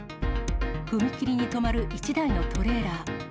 踏切に止まる１台のトレーラー。